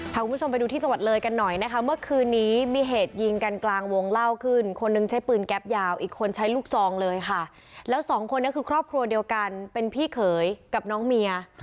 พาคุณผู้ชมไปดูที่จังหวัดเลยกันหน่อยนะคะเมื่อคืนนี้มีเหตุยิงกันกลางวงเล่าขึ้นคนนึงใช้ปืนแก๊ปยาวอีกคนใช้ลูกซองเลยค่ะแล้วสองคนนี้คือครอบครัวเดียวกันเป็นพี่เขยกับน้องเมีย